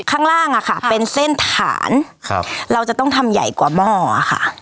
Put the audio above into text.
ข้างล่างอะค่ะเป็นเส้นฐานครับเราจะต้องทำใหญ่กว่าหม้อค่ะ